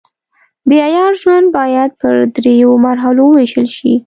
د عیار ژوند باید پر دریو مرحلو وویشل شي.